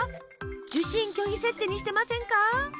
受信拒否設定にしてませんか？